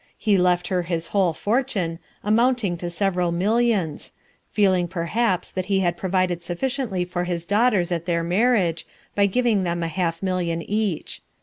He left her his whole fortune, amounting to several millions, feeling, perhaps, that he had provided sufficiently for his daughters at their marriage, by giving them a half million each.